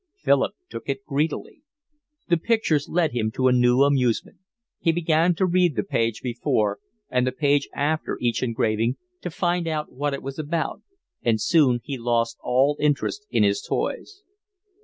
Philip took it greedily. The pictures led him to a new amusement. He began to read the page before and the page after each engraving to find out what it was about, and soon he lost all interest in his toys.